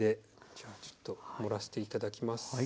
じゃあちょっと盛らして頂きます。